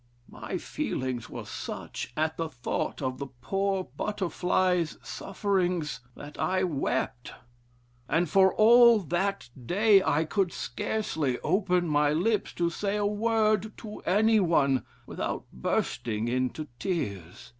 My feelings were such at the thought of the poor butterfly's sufferings, that I wept. And for all that day I could scarcely open my lips to say a word to any one without bursting into tears....